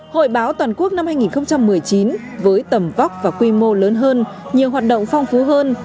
hội báo toàn quốc năm hai nghìn một mươi chín với tầm vóc và quy mô lớn hơn nhiều hoạt động phong phú hơn